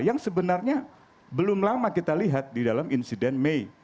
yang sebenarnya belum lama kita lihat di dalam insiden mei